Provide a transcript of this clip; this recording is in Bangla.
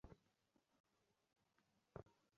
বয়সের সাথে সাথে তুমিও শিখে যাবে।